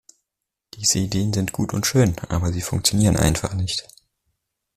Diese Ideen sind gut und schön, aber sie funktionieren einfach nicht.